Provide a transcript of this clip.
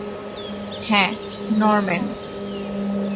হ্যাঁ, নরম্যান।